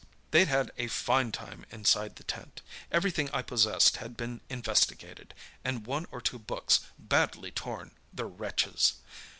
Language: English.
"They'd had a fine time inside the tent. Everything I possessed had been investigated, and one or two books badly torn—the wretches!"